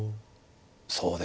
そうですね。